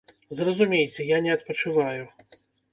Зразумейце, я не адпачываю.